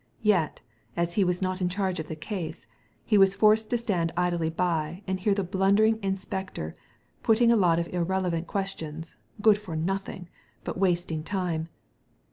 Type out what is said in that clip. Yet, as he was not in charge of the case, he was forced to stand idly by and hear the blundering in spector putting a lot of irrelevant questions — good for nothing, but wasting time.